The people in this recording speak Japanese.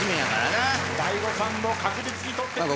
大悟さんも確実に取ってくる。